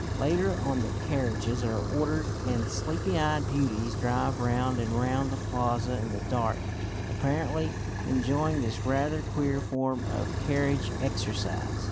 Later on the carriages are ordered, and sleepy eyed beauties drive round and round the plaza in the dark, apparently enjoying this rather queer form of carriage exercise.